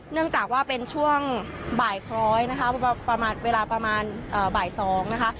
เนื่องจากว่าเป็นช่วงบ่ายคล้อยนะคะประมาณเวลาประมาณบ่าย๒นะคะ